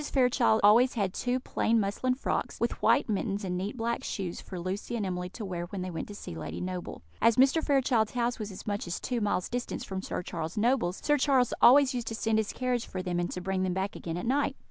Fairchild always had two plain muslin frocks, with white mittens and neat black shoes, for Lucy and Emily to wear when they went to see Lady Noble. As Mr. Fairchild's house was as much as two miles distance from Sir Charles Noble's, Sir Charles always used to send his carriage for them, and to bring them back again at night.